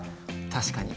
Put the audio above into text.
確かに。